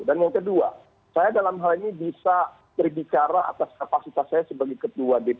dan yang kedua saya dalam hal ini bisa berbicara atas kapasitas saya sebagai ketua dpp